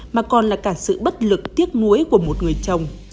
mà còn là cả sự bất lực tiếc nuối của một người chồng